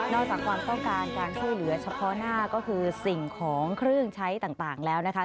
จากความต้องการการช่วยเหลือเฉพาะหน้าก็คือสิ่งของเครื่องใช้ต่างแล้วนะคะ